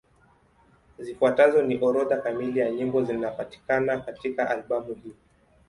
Zifuatazo ni orodha kamili ya nyimbo zinapatikana katika albamu hii.